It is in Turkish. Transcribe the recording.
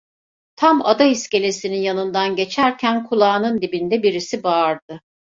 Tam Ada iskelesinin yanından geçerken kulağının dibinde birisi bağırdı.